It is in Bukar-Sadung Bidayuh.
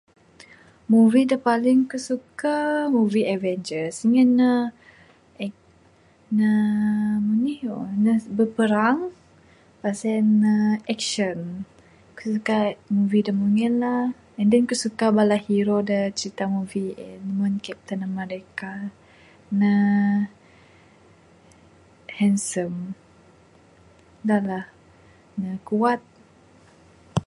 Movie da paling kuk suka, movie Avengers ngin ne uhh ne manih ya. Ne beperang, pas en ne action. Kuk suka movie da mun en la. And then kuk suka bala hero da crita movie en. Mung Captain America, ne handsome. Dah lah ne kuat.